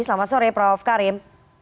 selamat sore prof karim